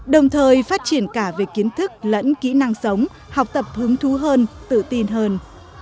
đồng thời phát triển cả về kiến thức lẫn kỹ năng sống học tập hứng thú hơn tự tin hơn